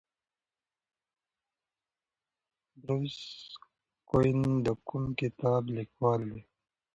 بروس کوئن د کوم کتاب لیکوال دی؟